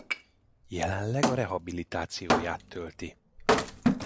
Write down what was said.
Jelenleg a rehabilitációját tölti.